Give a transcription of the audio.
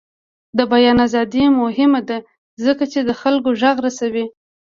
د بیان ازادي مهمه ده ځکه چې د خلکو غږ رسوي.